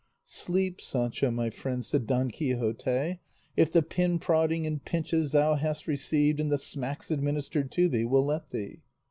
"Sleep, Sancho my friend," said Don Quixote, "if the pinprodding and pinches thou hast received and the smacks administered to thee will let thee."